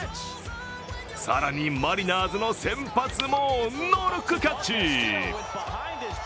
更に、マリナーズの先発もノールックキャッチ。